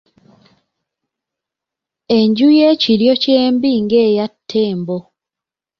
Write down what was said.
Enju ye Kiryokyembi ng'eya Ttembo.